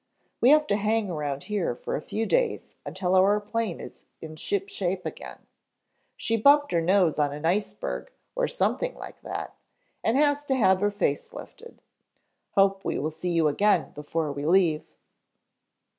We have to hang around here for a few days until our plane is in ship shape again. She bumped her nose on an iceberg, or something like that, and has to have her face lifted. Hope we see you again before we leave."